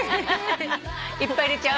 いっぱい入れちゃう。